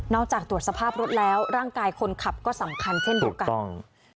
จากตรวจสภาพรถแล้วร่างกายคนขับก็สำคัญเช่นเดียวกัน